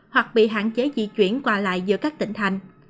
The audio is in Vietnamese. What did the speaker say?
hoặc bị hạn chế di chuyển qua lại giữa các tỉnh thành